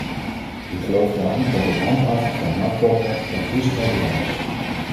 Ik geloof daarom dat het handhaven van melkquota van cruciaal belang is.